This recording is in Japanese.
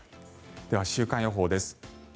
では、週間予報です。